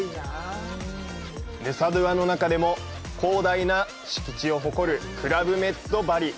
ヌサドゥアの中でも広大な敷地を誇るクラブメッドバリ。